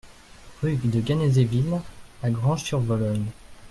Rue de Genazeville à Granges-sur-Vologne